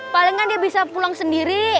palingan dia bisa pulang sendiri